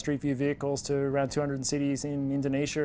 kami telah menemukan dua ratus kota di indonesia